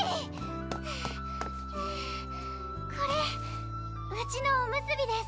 ハァハァこれうちのおむすびです